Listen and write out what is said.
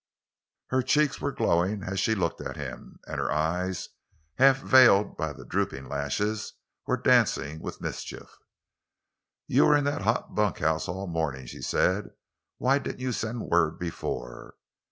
Her cheeks were glowing as she looked at him, and her eyes, half veiled by the drooping lashes, were dancing with mischief. "You were in that hot bunkhouse all morning," she said. "Why didn't you send word before?"